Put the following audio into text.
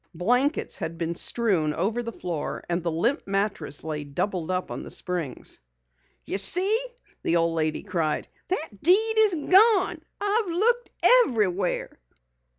Blankets had been strewn over the floor and the limp mattress lay doubled up on the springs. "You see!" the old lady cried. "The deed's gone! I've looked everywhere."